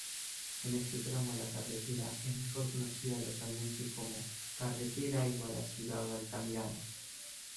En este tramo la carretera es mejor conocida localmente como ""Carretera Iguala-Ciudad Altamirano"".